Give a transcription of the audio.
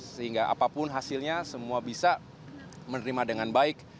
sehingga apapun hasilnya semua bisa menerima dengan baik